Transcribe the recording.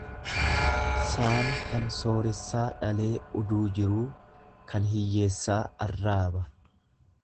Saani kan sooressaa dhalee uduu jiruu kan hiyyeessaa arraaba.